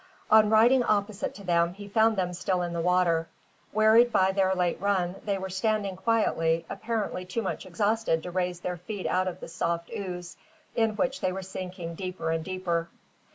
On riding opposite to them he found them still in the water. Wearied by their late run, they were standing quietly, apparently too much exhausted to raise their feet out of the soft ooze in which they were sinking deeper and deeper.